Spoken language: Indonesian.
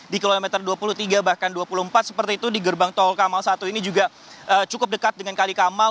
di kilometer dua puluh tiga bahkan dua puluh empat seperti itu di gerbang tol kamal satu ini juga cukup dekat dengan kali kamal